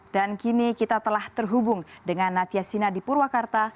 dan kini kita telah terhubung dengan natya sina di purwakarta